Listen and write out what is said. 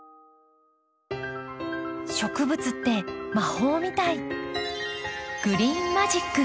植物って魔法みたい。